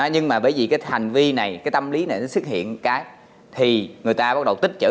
nhưng mà bởi vì cái hành vi này cái tâm lý này nó xuất hiện cái thì người ta bắt đầu tích chữ